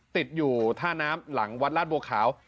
ติดอยู่ท่าน้ำหลังวัดราชบัวขาว